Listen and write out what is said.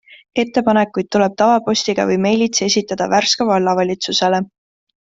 Ettepanekud tuleb tavapostiga või meilitsi esitada Värska vallavalitsusele.